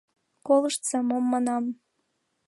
«Колыштса, мом манам.